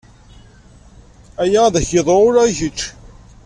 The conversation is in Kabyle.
Aya ad ak-yeḍru ula i kečč.